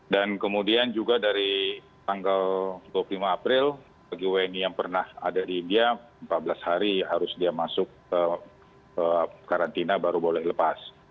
dan kemudian juga dari tanggal dua puluh lima april bagi wni yang pernah ada di india empat belas hari harus dia masuk ke karantina baru boleh lepas